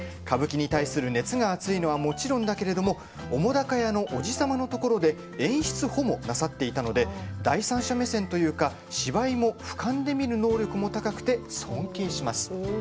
歌舞伎に対する熱が熱いのはもちろんだけれども澤瀉屋のおじ様のところで演出補もなさっていたので第三者目線というか芝居もふかんで見る能力も高くて尊敬します。